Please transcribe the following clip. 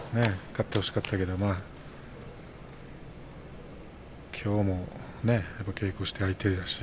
勝ってほしかったけどきょうも稽古をした相手だし。